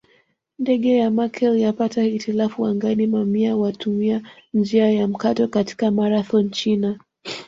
Ndege ya Merkel yapata hitilafu angani Mamia watumia njia ya mkato katika Marathon China